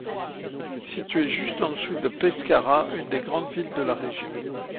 Situé juste en dessous de Pescara une des grandes villes de la région.